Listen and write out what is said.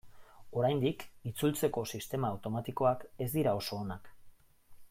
Oraindik itzultzeko sistema automatikoak ez dira oso onak.